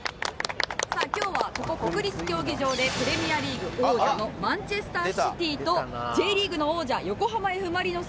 さあ今日はここ国立競技場でプレミアリーグ王者のマンチェスター・シティとＪリーグの王者横浜Ｆ・マリノスが対戦をします。